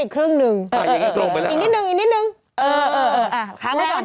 หรือที่นี่เหรอ